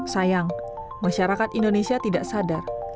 sayang masyarakat indonesia tidak sadar